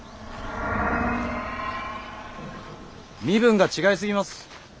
身分が違いすぎます。